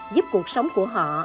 giúp cuộc sống của họ